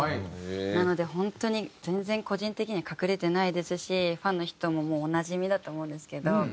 なので本当に全然個人的には隠れてないですしファンの人ももうおなじみだと思うんですけど。